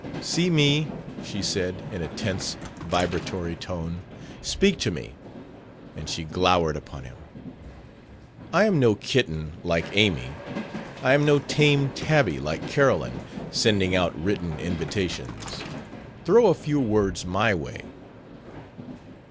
"See me!" she said, in a tense, vibratory tone. "Speak to me!" and she glowered upon him. "I am no kitten, like Amy. I am no tame tabby, like Carolyn, sending out written invitations. Throw a few poor words my way."